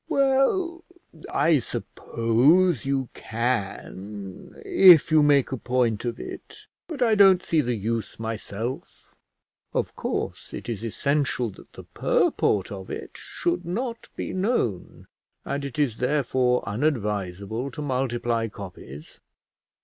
"Well, I suppose you can if you make a point of it; but I don't see the use myself; of course it is essential that the purport of it should not be known, and it is therefore unadvisable to multiply copies."